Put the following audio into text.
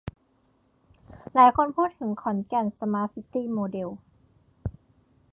หลายคนพูดถึงขอนแก่นสมาร์ตซิตี้โมเดล